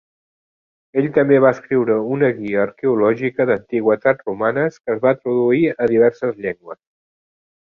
Ell també va escriure una guia arqueològica d'antiguitats romanes, que es va traduir a diverses llengües.